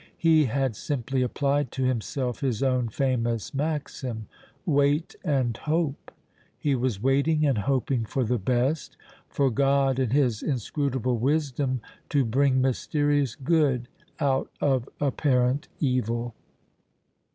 He had simply applied to himself his own famous maxim, "Wait and Hope." He was waiting and hoping for the best, for God in His inscrutable wisdom to bring mysterious good out of apparent evil.